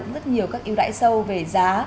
rất nhiều các yêu đại sâu về giá